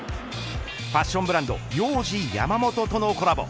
ファッションブランドヨウジヤマモトとのコラボ